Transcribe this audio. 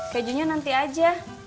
kejunya nanti aja